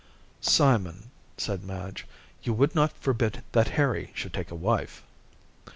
"Simon," said Madge, "you would not forbid that Harry should take a wife."